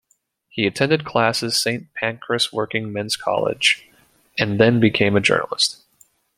He attended classes Saint Pancras Working Men's College and then became a journalist.